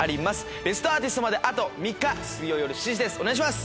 『ベストアーティスト』まであと３日水曜夜７時です